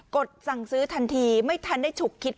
ดสั่งซื้อทันทีไม่ทันได้ฉุกคิด